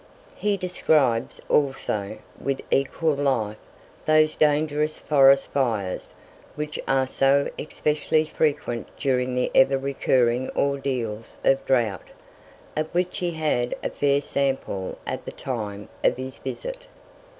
He describes also, with equal life, those dangerous forest fires, which are so especially frequent during the ever recurring ordeals of drought, of which he had a fair sample at the time of his visit.